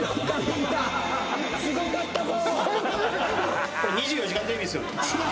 すごかったぞ！